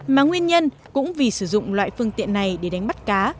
mà nguyên nhân cũng vì sử dụng loại phương tiện này để đánh bắt cá